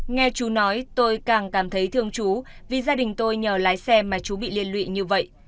nghe chú nói tôi càng cảm thấy thương chú vì gia đình tôi nhờ lái xe mà chú bị liên lụy như vậy